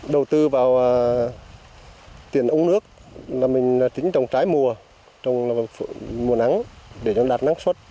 đầu tư vào tiền ống nước là mình tính trồng trái mùa trong mùa nắng để cho đạt năng suất